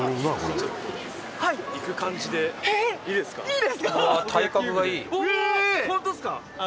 いいですか！？